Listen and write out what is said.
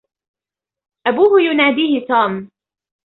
أبوه يناديه توم.